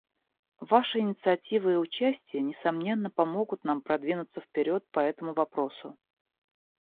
Ваша инициатива и участие, несомненно, помогут нам продвинуться вперед по этому вопросу.